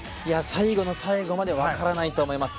最後の最後まで分からないと思います。